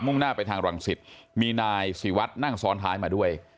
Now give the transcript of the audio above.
มุ่งหน้าไปทางหวังศิษย์มีนายศรีวัตน์นั่งซ้อนท้ายมาด้วย